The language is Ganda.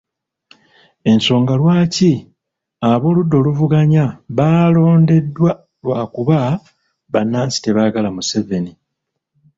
Ensonga lwaki ab’oludda oluvuganya baalondeddwa lwakuba bannansi tebaagala Museveni .